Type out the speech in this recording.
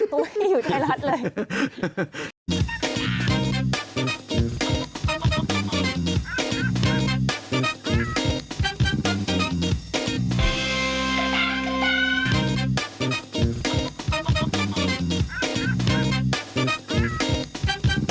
ต้องให้อยู่ไทยรัฐเลย